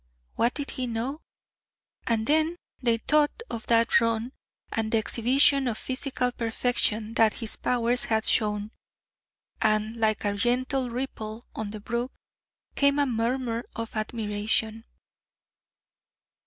What did he know? And then they thought of that run and the exhibition of physical perfection that his powers had shown; and like a gentle ripple on the brook came a murmur of admiration.